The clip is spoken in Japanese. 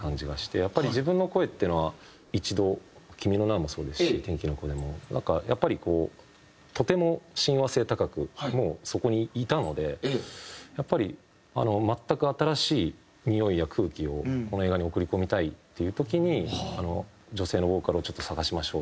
やっぱり自分の声っていうのは一度『君の名は。』もそうですし『天気の子』でもなんかやっぱりこうとても親和性高くもうそこにいたのでやっぱり全く新しいにおいや空気をこの映画に送り込みたいっていう時に女性のボーカルをちょっと探しましょうっていう話に。